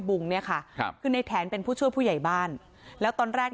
งเนี่ยค่ะครับคือในแถนเป็นผู้ช่วยผู้ใหญ่บ้านแล้วตอนแรก